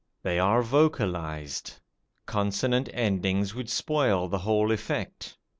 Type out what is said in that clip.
They are vocalized. Consonant endings would spoil the whole effect.